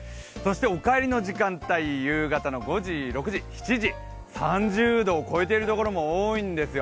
お帰りの時間帯、夕方の５時、６時、７時、３０度を超えているところも多いんですよ。